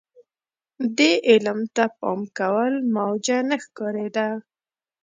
دې علم ته پام کول موجه نه ښکارېده.